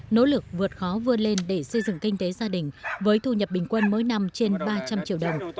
nó vươn lên để xây dựng kinh tế gia đình với thu nhập bình quân mỗi năm trên ba trăm linh triệu đồng